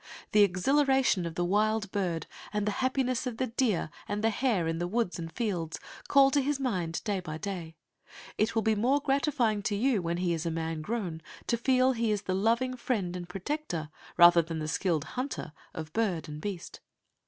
The exhilaration of the wild bird, and the happiness of the deer and the hare in the woods and fields, call to his mind day by day. It will be more gratifying to you when he is man grown to feel he is the loving friend and protector, rather than the skilled hunter of bird and beast.